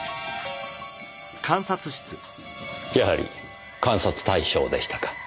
やはり監察対象でしたか。